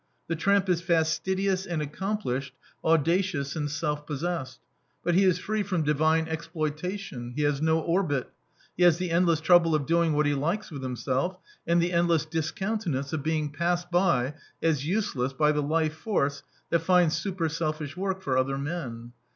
The tramp is fastidious and accomplished, audacious and self possessed; but he is free from divine exploitation: he has no orbit: he has the endless trouble of doing what he likes with himself, and the endless discountenance of being passed by as useless by the life Force that finds superselfish work for other men.